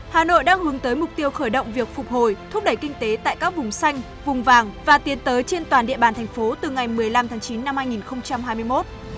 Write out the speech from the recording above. hà nội đang hướng tới mục tiêu khởi động việc phục hồi thúc đẩy kinh tế tại các vùng xanh vùng vàng và tiến tới trên toàn địa bàn thành phố từ ngày một mươi năm tháng chín năm hai nghìn hai mươi một